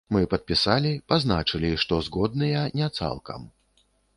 Мы падпісалі, пазначылі, што згодныя не цалкам.